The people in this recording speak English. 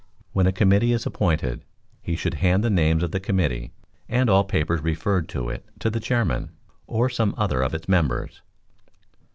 When a committee is appointed, he should hand the names of the committee and all papers referred to it to the chairman, or some other of its members.